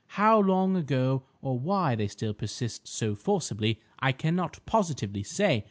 How long ago, or why they still persist so forcibly, I cannot positively say.